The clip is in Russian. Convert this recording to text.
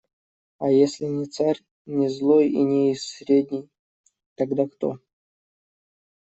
А если не царь, не злой и не из средней, тогда кто?